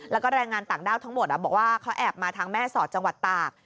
แล้วก็แรงงานต่างด้าวทั้งหมดบอกว่าเขาแอบมาทางแม่สอดจังหวัดตาก